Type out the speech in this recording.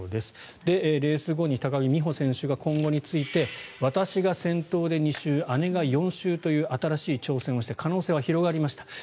レース後に高木美帆選手が今後について私が先頭で２周姉が４周という新しい挑戦をして可能性は広がりました。